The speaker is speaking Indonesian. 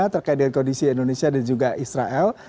terkait dengan kondisi indonesia dan juga israel